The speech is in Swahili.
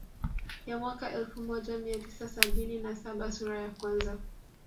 Ya mwaka elfu moja mia tisa sabini na saba sura ya kwanza